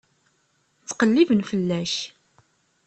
Ttqelliben fell-ak.